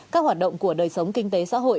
các hoạt động của đời sống kinh tế xã hội